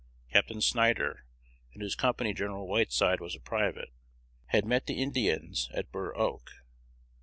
Capt. Snyder, in whose company Gen. Whiteside was a private, had met the Indians at Burr Oak.